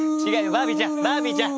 バービーちゃんバービーちゃん！